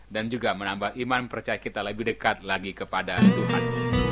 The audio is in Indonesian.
dan juga menambah iman percaya kita lebih dekat lagi kepada tuhan